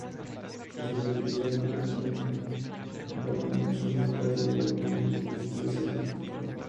Se suele utilizar como entrante, acompañando un segundo plato elaborado con productos del cerdo.